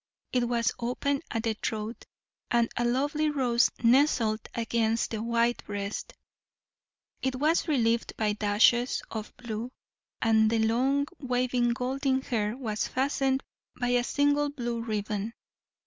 It was open at the throat, and a lovely rose nestled against the white breast; it was relieved by dashes of blue, and the long, waving, golden hair was fastened by a single blue ribbon.